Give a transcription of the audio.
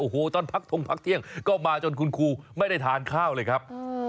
โอ้โหตอนพักทงพักเที่ยงก็มาจนคุณครูไม่ได้ทานข้าวเลยครับ